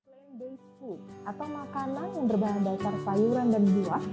land base food atau makanan yang berbahan dasar sayuran dan buah